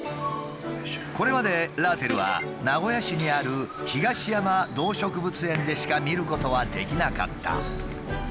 これまでラーテルは名古屋市にある東山動植物園でしか見ることはできなかった。